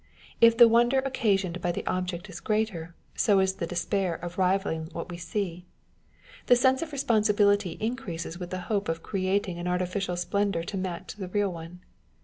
If the wonder occasioned by the object is greater, so is the despair of rivalling what we see. The sense of responsi bility increases with the hope of creating an artificial splendour to match the real one.